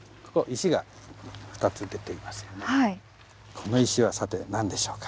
この石はさて何でしょうか？